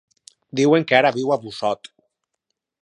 Diuen que ara viu a Busot.